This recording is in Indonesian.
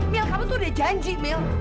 mil kamu tuh udah janji mil